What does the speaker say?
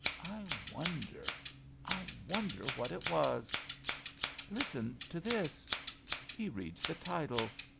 I wonder, 1 wonder what it was. Listen to this ! {He reads the title.)